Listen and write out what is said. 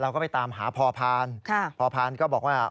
เราก็ไปตามหาพอพานพอพานก็บอกว่า